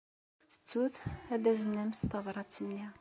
Ur ttettut ad taznem tabṛat-nni.